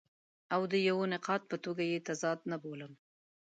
او د یوه نقاد په توګه یې تضاد نه بولم.